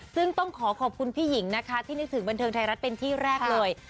ซึ่งต้องขอขอบคุณพี่หญิงนะคะที่นึกถึงบันเทิงไทยรัฐเป็นที่แรกเลย